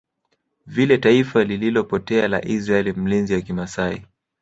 vile taifa lililopotea la Israel Mlinzi wa kimasai